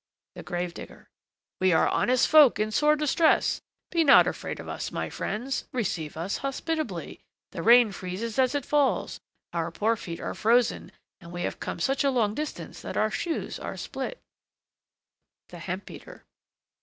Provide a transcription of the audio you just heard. THE GRAVE DIGGER. We are honest folk in sore distress. Be not afraid of us, my friends! receive us hospitably. The rain freezes as it falls, our poor feet are frozen, and we have come such a long distance that our shoes are split. THE HEMP BEATER.